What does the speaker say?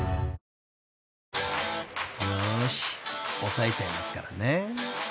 ［よーしっ抑えちゃいますからね］